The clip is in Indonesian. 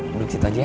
duduk situ aja ya